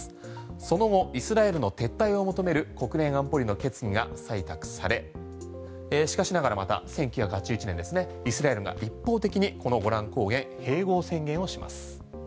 その後イスラエルの撤退を求める国連安保理の決議が採択されしかしながら、また１９８１年ですねイスラエルが一方的にゴラン高原併合宣言をします。